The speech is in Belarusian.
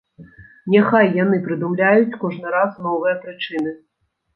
Няхай яны прыдумляюць кожны раз новыя прычыны.